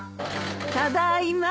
ただいま。